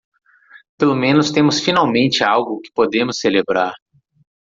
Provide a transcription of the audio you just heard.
Pelo menos temos finalmente algo que podemos celebrar.